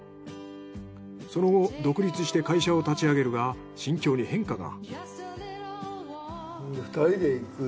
その後独立して会社を立ち上げるが心境に変化が。